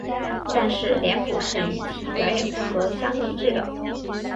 但是脸谱是与其表演风格相一致的。